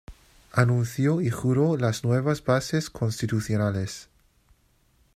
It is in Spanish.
Anunció y juró las nuevas Bases Constitucionales.